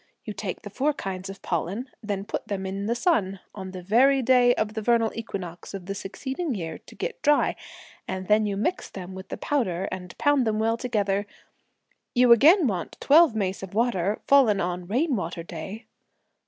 You take the four kinds of pollen, and put them in the sun, on the very day of the vernal equinox of the succeeding year to get dry, and then you mix them with the powder and pound them well together. You again want twelve mace of water, fallen on 'rain water' day....."